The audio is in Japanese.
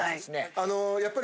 あのやっぱり。